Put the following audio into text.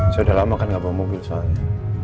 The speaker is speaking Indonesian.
sudah lama kan gak bawa mobil soalnya